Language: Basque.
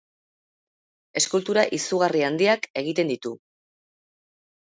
Eskultura izugarri handiak egiten ditu.